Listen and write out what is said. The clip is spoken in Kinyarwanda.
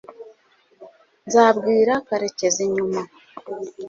nzabwira karekezi nyuma